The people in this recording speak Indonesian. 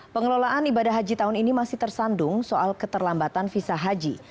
pengelolaan ibadah haji tahun ini masih tersandung soal keterlambatan visa haji